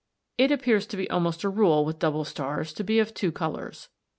] It appears to be almost a rule with double stars to be of two colours.